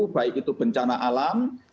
baik itu bencana alam